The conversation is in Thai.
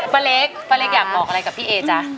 ป้าเล็กป้าเล็กอยากบอกอะไรกับพี่เอจ๊ะ